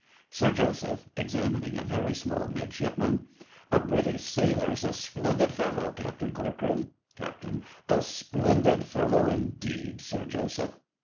SIR JOSEPH. (examining a very small midshipman). A British sailor is a splendid fellow, Captain Corcoran. CAPT. A splendid fellow indeed, Sir Joseph.